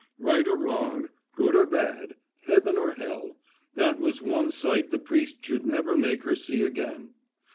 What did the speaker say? Right or wrong, good or bad, heaven or hell, that was one sight the priest should never make her see again.